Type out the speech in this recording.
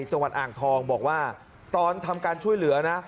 จังหวัดอ่างทองบอกว่าตอนทำการช่วยเหลือนะ